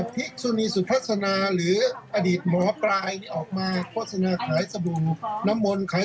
ภิกษุนีสุทธาสนาหรืออดีตหมอปลายออกมาขายสบูน้ำมนขาย